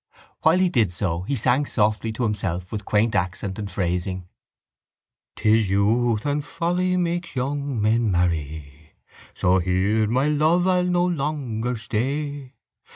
While he did so he sang softly to himself with quaint accent and phrasing: 'Tis youth and folly Makes young men marry, So here, my love, I'll No longer stay.